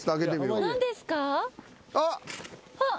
あっ！